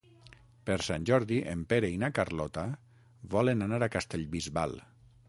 Per Sant Jordi en Pere i na Carlota volen anar a Castellbisbal.